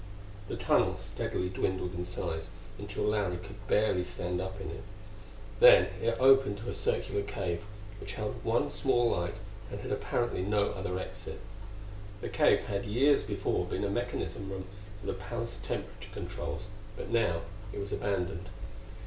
The tunnel steadily dwindled in size until Larry could barely stand up in it. Then it opened to a circular cave, which held one small light and had apparently no other exit. The cave had years before been a mechanism room for the palace temperature controls, but now it was abandoned.